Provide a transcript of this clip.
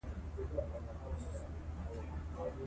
شهید جنرال عبدالعلي خان وردگ